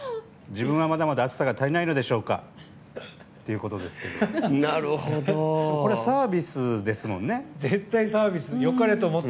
自分はまだまだ熱さが足りないのでしょうか。ということですがこれサービスですもんね。